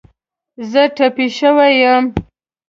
زه ټپې شوی یم